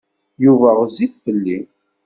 Yuba ɣezzif fell-i.